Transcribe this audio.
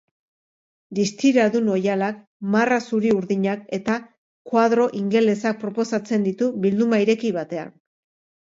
Distiradun oihalak, marra zuri-urdinak eta koadro ingelesak proposatzen ditu bilduma ireki batean.